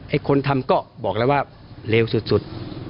คนทำก็บอกแล้วว่าเลวสุด